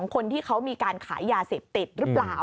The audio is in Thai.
คนที่เขามีการขายยาเสพติดหรือเปล่า